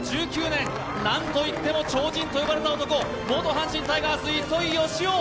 １９年、なんといっても超人と呼ばれた男、元阪神タイガース・糸井嘉男。